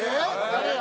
・誰や？